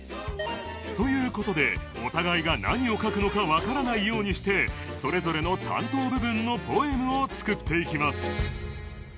という事でお互いが何を書くのかわからないようにしてそれぞれの担当部分のポエムを作っていきます